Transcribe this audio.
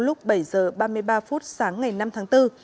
lúc bảy h ba mươi ba phút sáng ngày năm tháng bốn